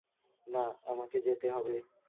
না, আমাকে যেতে হবে।